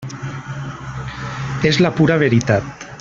És la pura veritat.